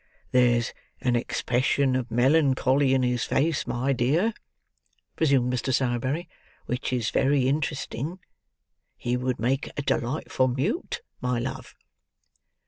"There's an expression of melancholy in his face, my dear," resumed Mr. Sowerberry, "which is very interesting. He would make a delightful mute, my love."